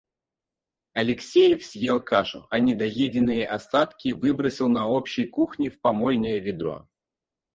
Алексеев съел кашу, а недоеденные остатки выбросил на общей кухне в помойное ведро.